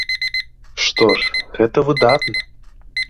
Што ж, гэта выдатна.